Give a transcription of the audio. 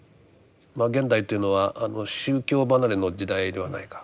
現代というのは宗教離れの時代ではないか。